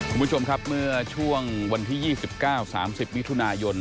คุณผู้ชมครับเมื่อช่วงวันที่๒๙๓๐มิถุนายน